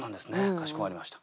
かしこまりました。